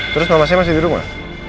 terus mamasnya masih di rumah